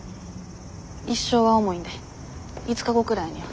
一生は重いんで５日後くらいには。